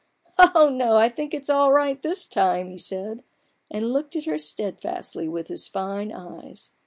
(< Oh no, I think it's all right this time !" he said, and looked at her steadfastly with his fine eyes.